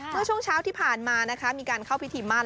เมื่อช่วงเช้าที่ผ่านมานะคะมีการเข้าพิธีมั่น